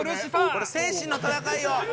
これ精神の闘いよ。